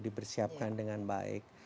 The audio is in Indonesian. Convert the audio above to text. dibersiapkan dengan baik